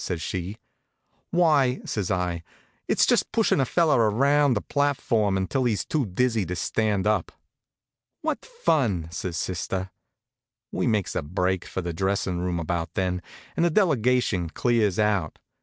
says she. "Why," says I, "it's just pushin' a feller around the platform until he's too dizzy to stand up." "What fun!" says sister. We makes a break for the dressin' room about then, and the delegation clears out.